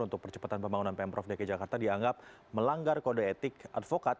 untuk percepatan pembangunan pemprov dki jakarta dianggap melanggar kode etik advokat